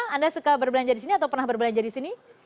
anda suka berbelanja di sini atau pernah berbelanja di sini